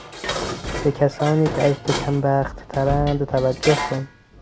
به کسانی که از تو کمبختترند توجه کن.